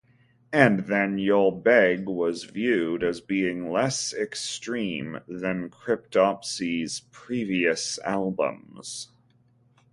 "And Then You'll Beg" was viewed as being less extreme than Cryptopsy's previous albums.